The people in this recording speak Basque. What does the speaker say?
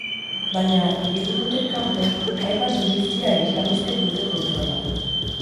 Baina hiriburutik kanpo, hainbat milizia islamistek dute kontrola.